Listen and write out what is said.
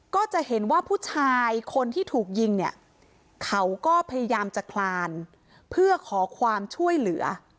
ก็จะเห็นว่าผู้ชายคนที่ถูกยิงเนี่ยเขาก็พยายามจะคลานเพื่อขอความช่วยเหลือ